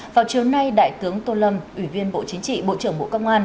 vào chiều nay đại tướng tô lâm ủy viên bộ chính trị bộ trưởng bộ công an